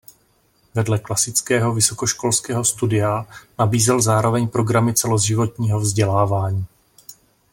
Vedle klasického vysokoškolského studia nabízel zároveň programy celoživotního vzdělávání.